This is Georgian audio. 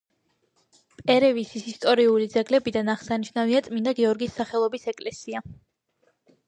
პერევისის ისტორიული ძეგლებიდან აღსანიშნავია წმინდა გიორგის სახელობის ეკლესია.